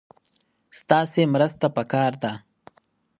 ستاسې مرسته پکار ده.